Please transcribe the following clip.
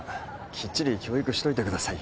きっちり教育しといてください